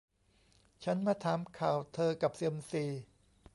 ฉันมาถามข่าวเธอกับเซียมซี ?